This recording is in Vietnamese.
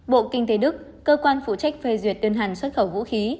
bộ kinh tế đức cơ quan phụ trách phê duyệt đơn hàng xuất khẩu vũ khí